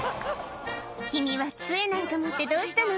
君はつえなんか持ってどうしたの？